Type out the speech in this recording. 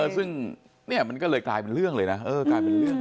ซึ่งนี่มันก็เลยกลายเป็นเรื่องเลยนะ